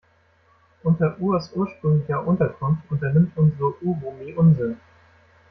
Unter Urs ursprünglicher Unterkunft unternimmt unsere Uromi Unsinn.